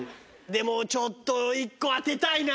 でもちょっと１個当てたいな。